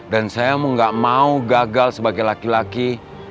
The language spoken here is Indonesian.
dan saya nggak mau gagal sebagai laki laki